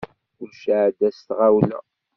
Kullec iɛedda s tɣawla.